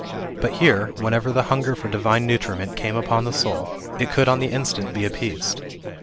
But here, whenever the hunger for divine nutriment came upon the soul, it could on the instant be appeased.